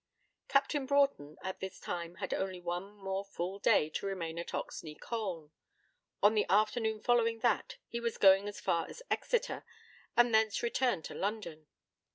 Captain Broughton at this time had only one more full day to remain at Oxney Colne. On the afternoon following that he was to go as far as Exeter, and thence return to London.